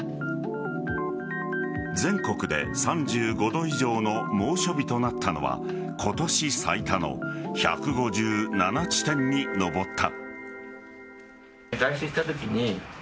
全国で３５度以上の猛暑日となったのは今年最多の１５７地点に上った。